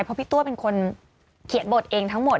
เพราะพี่ตัวเป็นคนเขียนบทเองทั้งหมด